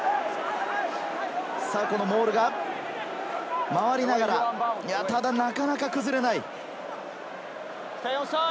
モールが回りながら、ただなかなか崩れない。